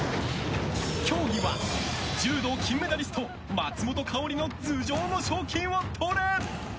競技は柔道金メダリスト松本薫の頭上の賞金を取れ。